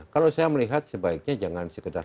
kalau saya melihat sebaiknya jangan sekedar